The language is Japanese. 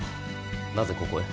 なぜここへ。